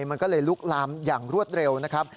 มันก็เลยลุกลามอย่างรวดเร็วนะครับ